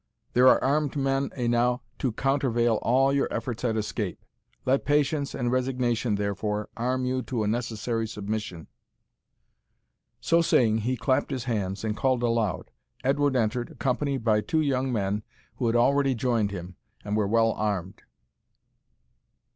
There are armed men enow to countervail all your efforts at escape. Let patience and resignation, therefore, arm you to a necessary submission." So saying, he clapped his hands, and called aloud. Edward entered, accompanied by two young men who had already joined him, and were well armed.